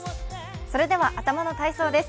それでは、頭の体操です。